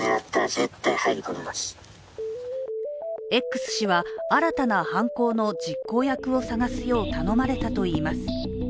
Ｘ氏は新たな犯行の実行役を探すよう頼まれたといいます。